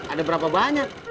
ada berapa banyak